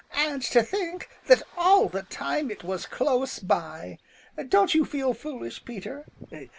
And to think that all the time it was close by! Don't you feel foolish, Peter?"